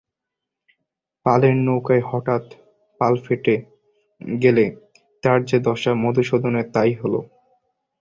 পালের নৌকায় হঠাৎ পাল ফেটে গেলে তার যে দশা মধুসূদনের তাই হল।